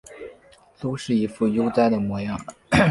都是一副悠哉的模样